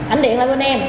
ảnh điện là bên em